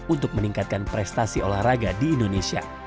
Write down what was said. untuk meningkatkan prestasi olahraga di indonesia